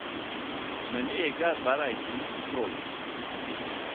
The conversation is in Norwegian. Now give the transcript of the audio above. Men eg er berre eit lite troll.